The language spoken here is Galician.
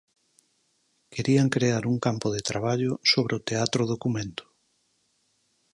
Querían crear un campo de traballo sobre o teatro documento.